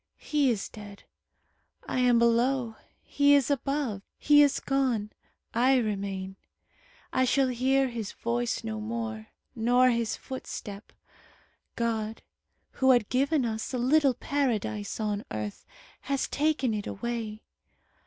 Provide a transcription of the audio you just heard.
He is dead. I am below. He is above. He is gone. I remain. I shall hear his voice no more, nor his footstep. God, who had given us a little Paradise on earth, has taken it away.